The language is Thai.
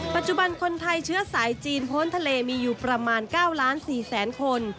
ปัจจุบันคนไทยเชื้อสายจีนพ้นทะเลมีอยู่ประมาณ๙ล้าน๔แสนคน